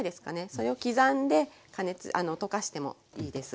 それを刻んで溶かしてもいいです。